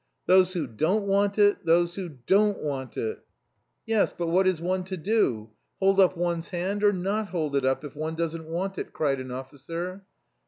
"Those who don't want it those who don't want it." "Yes, but what is one to do, hold up one's hand or not hold it up if one doesn't want it?" cried an officer.